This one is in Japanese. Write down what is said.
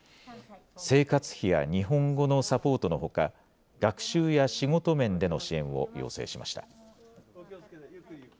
生活費や日本語のサポートのほか、学習や仕事面での支援を要請しました。